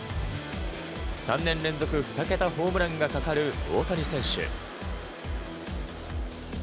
３年連続２桁ホームランがかかる大谷選手。